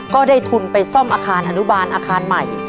ก็ได้ทุนไปซ่อมอาคารอนุบาลอาคารใหม่